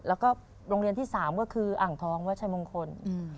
แล้วก็โรงเรียนที่๓ก็คืออ่างทองวัชชัยมงคล